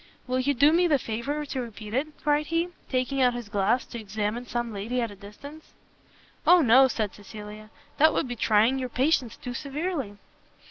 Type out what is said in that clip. "Will you do me the favour to repeat it?" cried he, taking out his glass to examine some lady at a distance. "O no," said Cecilia, "that would be trying your patience too severely."